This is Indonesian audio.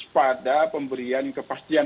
pada pemberian kepastian